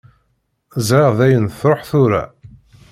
Ẓriɣ dayen truḥ tura.